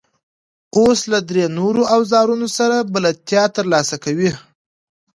اوس له درې نورو اوزارونو سره بلدیتیا ترلاسه کوئ.